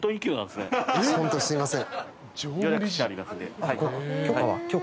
ホントすいません。